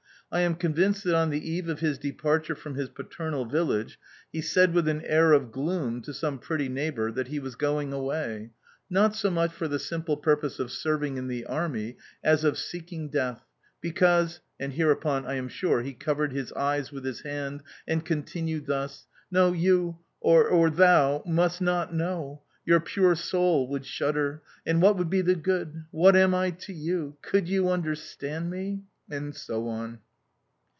I am convinced that on the eve of his departure from his paternal village he said with an air of gloom to some pretty neighbour that he was going away, not so much for the simple purpose of serving in the army as of seeking death, because... and hereupon, I am sure, he covered his eyes with his hand and continued thus, "No, you or thou must not know! Your pure soul would shudder! And what would be the good? What am I to you? Could you understand me?"... and so on.